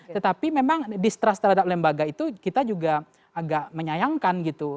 tetapi memang distrust terhadap lembaga itu kita juga agak menyayangkan gitu